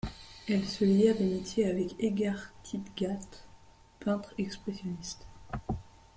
Elle se lia d'amitié avec Edgard Tytgat, peintre expressionniste.